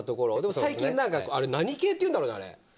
最近はあれ何系っていうんだろうね、あれ。